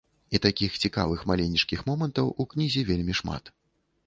І такіх цікавых маленечкіх момантаў у кнізе вельмі шмат.